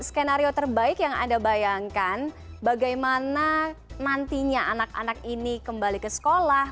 skenario terbaik yang anda bayangkan bagaimana nantinya anak anak ini kembali ke sekolah